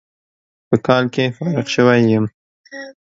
په کال کې فارغ شوى يم.